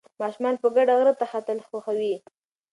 ماشومان په ګډه غره ته ختل خوښوي.